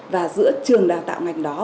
và giữa trường đào tạo ngành đó